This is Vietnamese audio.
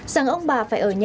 rằng ông bà phải ở nhà